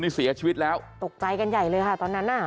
นี่เสียชีวิตแล้วตกใจกันใหญ่เลยค่ะตอนนั้นอ่ะ